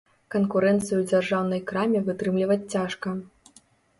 Канкурэнцыю дзяржаўнай краме вытрымліваць цяжка.